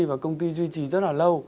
và công ty duy trì rất là lâu